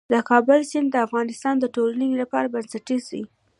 د کابل سیند د افغانستان د ټولنې لپاره بنسټيز دی.